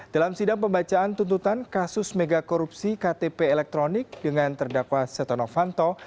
dalam sidang pembacaan tuntutan kasus megakorupsi ktp elektronik dengan terdakwa setonofanto